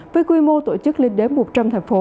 với quy mô tổ chức lên đến một trăm linh thành phố